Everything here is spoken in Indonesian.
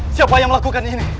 siapa yang melakukan ini